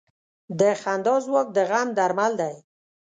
د خندا ځواک د غم درمل دی.